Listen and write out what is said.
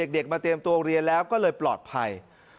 เด็กมาเตรียมตัวเรียนแล้วก็เลยปลอดภัย